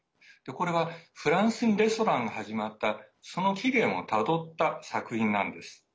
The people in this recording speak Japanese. これは、フランスにレストランが始まったその起源をたどった作品なんです。